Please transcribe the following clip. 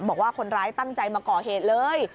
บอกว่าคนร้ายตั้งใจมาก่อเหตุเลย